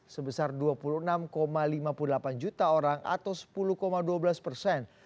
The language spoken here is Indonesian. sebesar dua puluh enam lima puluh delapan juta orang atau sepuluh dua belas persen